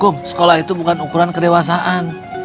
hukum sekolah itu bukan ukuran kedewasaan